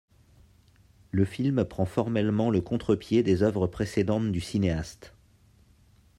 Le film prend formellement le contrepied des œuvres précédentes du cinéaste.